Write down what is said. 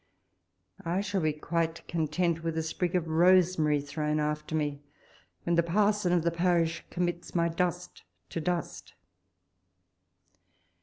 I shall be quite content with a sprig of rosemary thrown after me, when the parson of the parish commits my dust to dust.